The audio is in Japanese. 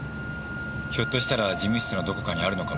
ひょっとしたら事務室のどこかにあるのかもしれません。